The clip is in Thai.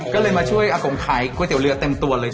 ก็เลยมาช่วยอากงขายก๋วยเตี๋ยวเรือเต็มตัวเลย